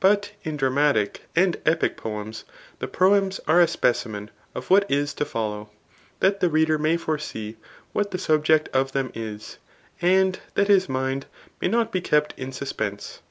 But in dramatic and epic poems, the proems are a specimen of what is to follow, that the reader may foresee what the subject of them is, and that his mind may not be kept in suspense.